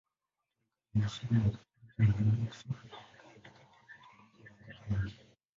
Tangu kale anaheshimiwa na Wakatoliki na Waorthodoksi kama mtakatifu pamoja na kaka yake.